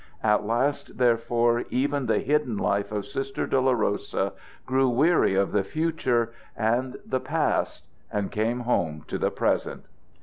At last, therefore, even the hidden life of Sister Dolorosa grew weary of the future and the past, and came home to the present.